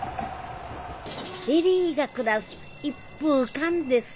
恵里が暮らす一風館です